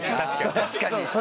確かに。